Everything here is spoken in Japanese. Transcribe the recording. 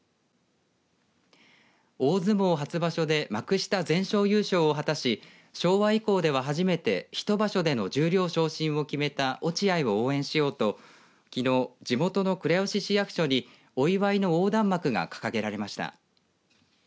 大相撲初場所で幕下全勝優勝を果たし昭和以降では初めて１場所では十両昇進を決めた落合を応援しようときのう地元の倉吉市役所にお祝いの横断幕が掲げられました。